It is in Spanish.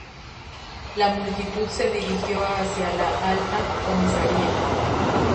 La multitud se dirigió hacia la Alta Comisaría.